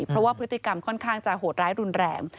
เพราะว่าพฤติกรรมค่อนข้างจะโหดร้ายรุนแรง